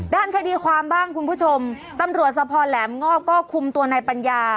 ด้านคดีความบ้างคุณผู้ชมตำรวจสะพอแหลมงอกก็คุมตัวในปัญญา